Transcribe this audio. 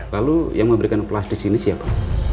lalu yang memberikan kelas di sini siapa